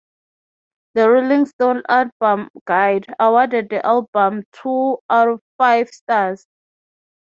"The Rolling Stone Album Guide" awarded the album two out of five stars.